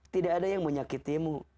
tidak ada yang menyakitimu